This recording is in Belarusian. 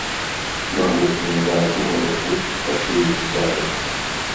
Магутны ўдар у галаву, па шыі ззаду.